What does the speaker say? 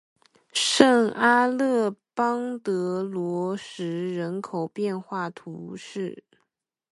圣阿勒邦德罗什人口变化图示